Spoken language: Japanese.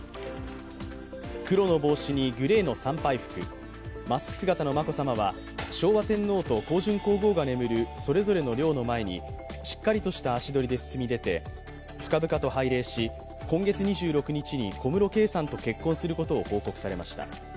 黒の帽子にグレーの参拝服、マスク姿の眞子さまは昭和天皇と香淳皇后が眠るそれぞれの陵の前に、しっかりとした足取りで進み出て、深々と拝礼し今月２６日に小室圭さんと結婚することを報告されました。